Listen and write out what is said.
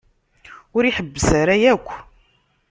Ur iḥebbes ara akk.